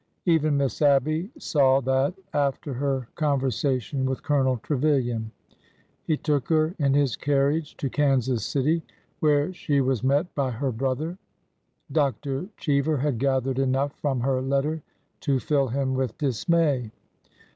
Even Miss Abby saw that after her conversation with Colonel Trevilian. He took her in his carriage to Kansas City, where she was met by her brother. Dr. Cheever had gathered enough from her letter to fill him with dismay.